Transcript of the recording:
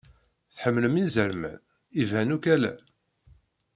Tḥemmlem izerman? Iban akk ala.